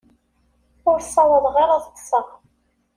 Ur ssawaḍeɣ ara ad ṭṭseɣ.